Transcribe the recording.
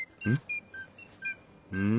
うん？